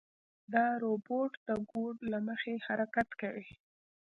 دا روبوټ د کوډ له مخې حرکت کوي.